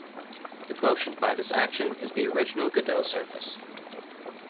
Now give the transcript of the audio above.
The quotient by this action is the original Godeaux surface.